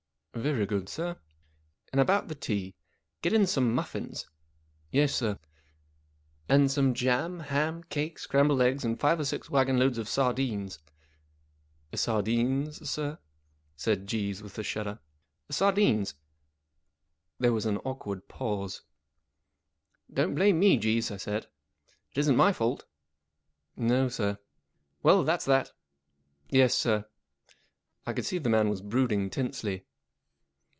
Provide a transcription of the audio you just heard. " Very good, sir." " And about the tea. Get in some muffins." " Yes, sir." " And some jam, ham, cake, scrambled eggs, and five or six wagonloads of sar¬ dines." " Sardines, sir ?" said Jeeves, with a shudder. " Sardines." There was an awkward pause. Digitized by Google 41 * O " Don't blame me, Jeeves," I said. ' It isn't my fault." " No, sir." " Well, that's that." " Yes, sir." I could see the man was brooding tensely.